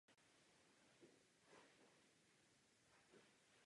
Při prvním ročníku v Amsterdam Aréně byla stage umístěna u stěny.